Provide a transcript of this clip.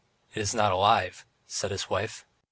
"It is not alive," said his wife.